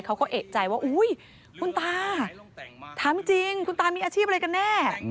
เขาก็เอกใจว่าอุ๊ยคุณตาถามจริงคุณตามีอาชีพอะไรกันแน่